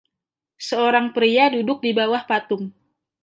Seorang pria duduk di bawah patung.